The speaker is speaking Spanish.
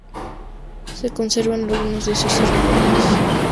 Se conservan algunos de sus sermones.